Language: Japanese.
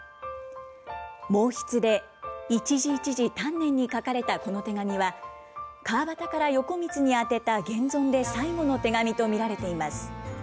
毛筆で、一字一字、丹念に書かれたこの手紙は、川端から横光に宛てた現存で最後の手紙と見られています。